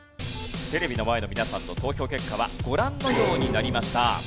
テレビの前の皆さんの投票結果はご覧のようになりました。